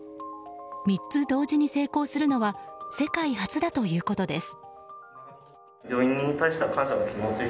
３つ同時に成功するのは世界初だということです。